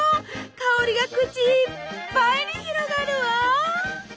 香りが口いっぱいに広がるわ！